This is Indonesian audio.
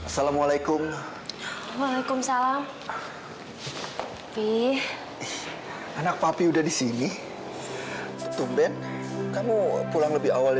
sampai jumpa di video selanjutnya